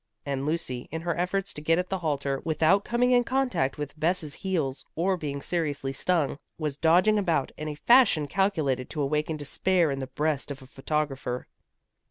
And Lucy, in her efforts to get at the halter, without coming in contact with Bess's heels or being seriously stung, was dodging about in a fashion calculated to awaken despair in the breast of a photographer.